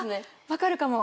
分かるかも。